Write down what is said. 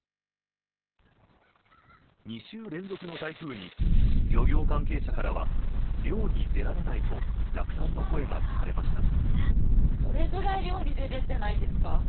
２週連続の台風に漁業関係者からは漁に出られないと落胆の声が聞かれました。